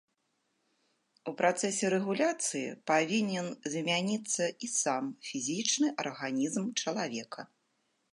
У працэсе рэгуляцыі павінен змяніцца і сам фізічны арганізм чалавека.